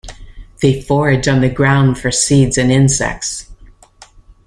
They forage on the ground for seeds and insects.